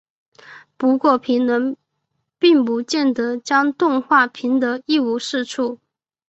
不过评论并不见得将动画评得一无是处。